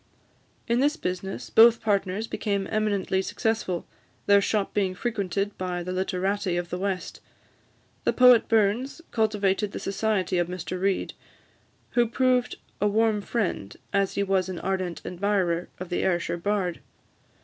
In this business, both partners became eminently successful, their shop being frequented by the literati of the West. The poet Burns cultivated the society of Mr Reid, who proved a warm friend, as he was an ardent admirer, of the Ayrshire bard.